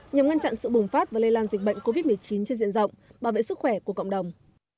nhằm ngăn chặn sự bùng phát và lây lan dịch bệnh covid một mươi chín trên diện rộng bảo vệ sức khỏe của cộng đồng